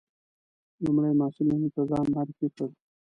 لومړي محصلینو ته ځان معرفي کړ.